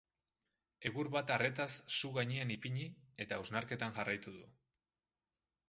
Egur bat arretaz su gainean ipini, eta hausnarketan jarraitu du.